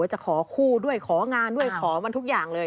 จะขอคู่ด้วยของานด้วยขอมันทุกอย่างเลย